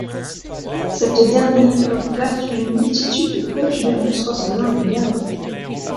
Cette dernière est recouverte d'une multitude de protubérances ressemblant à des verrues.